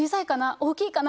大きいかなと。